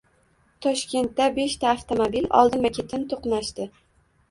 Toshkentdabeshta avtomobil oldinma-ketin to‘qnashdi